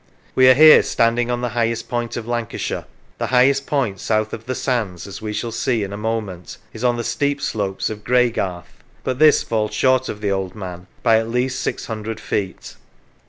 We are here standing on the highest point of Lancashire : the highest point south of the sands, as we shall see in a moment, is on the steep slopes of Greygarth, but this falls short of the Old Man by at least 600 feet.